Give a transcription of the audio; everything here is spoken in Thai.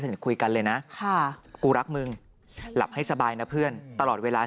คุยกันเลยนะกูรักมึงหลับให้สบายนะเพื่อนตลอดเวลา